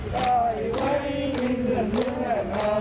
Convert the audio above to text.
ได้ไว้ที่เรือนเรือเขา